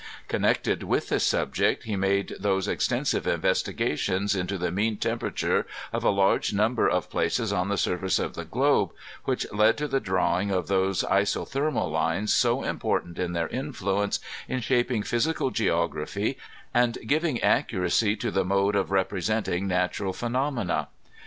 Connected with this subject he made those extensive investigations into the mean temperature of a large number of places on the surface of the globe, which led to the drawing of those isothermal lines so important in their influ ence in shaping physical geography and giving accuracy to the mode of representing natural phenomena.